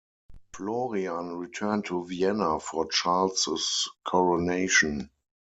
Florian returned to Vienna for Charles's coronation.